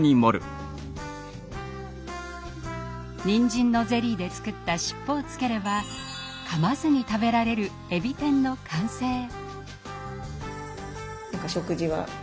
にんじんのゼリーで作った尻尾をつければかまずに食べられるえび天の完成。